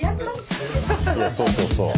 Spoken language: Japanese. いやそうそうそう。